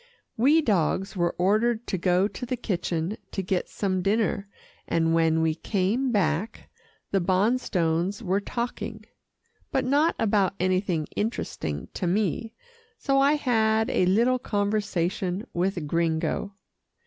We dogs were ordered to go to the kitchen to get some dinner, and when we came back, the Bonstones were talking, but not about anything interesting to me, so I had a little conversation with Gringo.